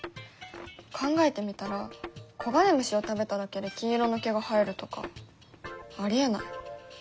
考えてみたら黄金虫を食べただけで金色の毛が生えるとかありえない。